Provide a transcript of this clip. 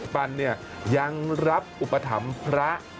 ปันเนี่ยยังรับอุปถัมภ์พระ